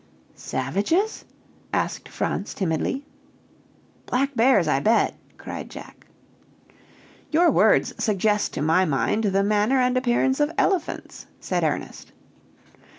"Savages?" asked Franz timidly. "Black bears, I bet!" cried Jack. "Your words suggest to my mind the manner and appearance of elephants," said Ernest.